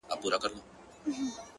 زموږه دوو زړونه دي تل د محبت مخته وي ـ